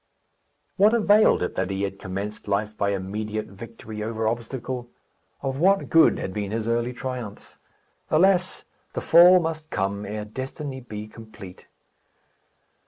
What availed it that he had commenced life by immediate victory over obstacle? Of what good had been his early triumphs? Alas! the fall must come, ere destiny be complete.